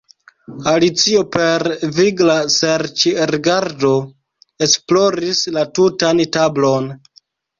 Alicio per vigla serĉrigardo esploris la tutan tablon.